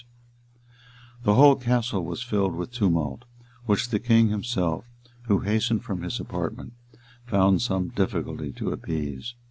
Vitalis, p 545] The whole castle was filled with tumult, which the king himself, who hastened from his apartment, found some difficulty to appease.